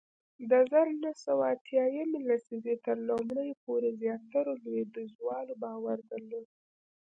د زر نه سوه اتیا یمې لسیزې تر لومړیو پورې زیاترو لوېدیځوالو باور درلود